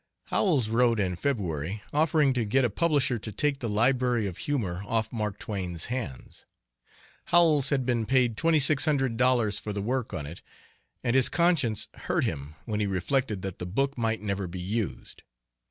Howells wrote, in February, offering to get a publisher to take the Library of Humor off Mark Twain's hands. Howells had been paid twenty six hundred dollars for the work on it, and his conscience hurt him when he reflected that the book might never be used.